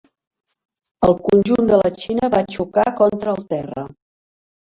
El conjunt de la Xina va xocar contra el terra.